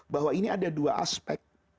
bahwa ini ada dua aspek